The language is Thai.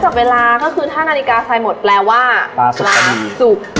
ปลาก็คือถ้านาฬิกาใส่หมดแปลว่าปลาสุกแล้วดี